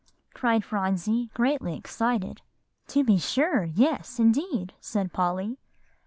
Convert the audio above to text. cried Phronsie greatly excited. "To be sure; yes, indeed," said Polly.